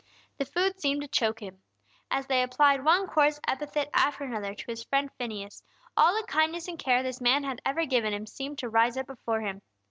The food seemed to choke him. As they applied one coarse epithet after another to his friend Phineas, all the kindness and care this man had ever given him seemed to rise up before him.